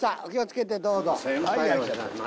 お気を付けてどうぞ。